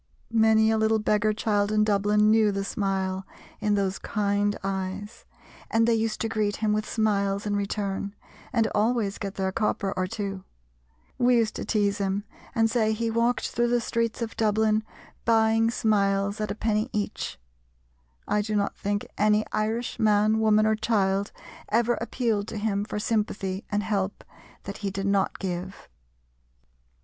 Many a little beggar child in Dublin knew the smile in those kind eyes, and they used to greet him with smiles in return and always get their copper or two. We used to tease him, and say he walked through the streets of Dublin "buying smiles at a penny each." I do not think any Irish man, woman, or child ever appealed to him for sympathy and help that he did not give.